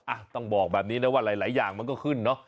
อ่ะต้องบอกแบบนี้นะว่าหลายอย่างมันก็ขึ้นเนอะ